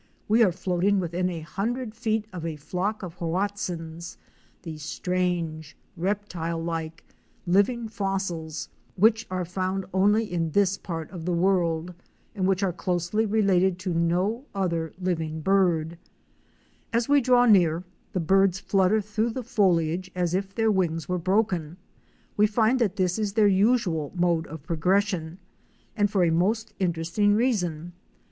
We are floating within a hundred feet of a flock of Hoatzins"— the strange reptile like, living fossils which are found only in this part of the world, and which are closely related to no other living bird. Fic. 13. Hoarzins Iv THE BAMBOOS ON THE GUARAPICHE. As we draw near, the birds flutter through the foliage as if their wings were broken. We find that this is their usual mode of progression, and for a most interesting reason.